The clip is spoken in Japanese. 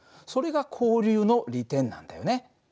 それが交流の利点なんだよね。